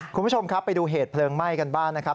คุณผู้ชมครับไปดูเหตุเพลิงไหม้กันบ้างนะครับ